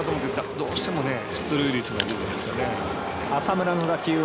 どうしても出塁率の部分ですよね。